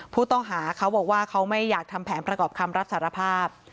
ผู้ต้องหาเขาบอกว่าเขาไม่อยากทำแผนประกอบคำรับสารภาพ